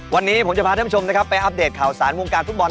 วันนี้ผมจะพาท่านไปอัปเดตข่าวภาษาวงการฟุตบอล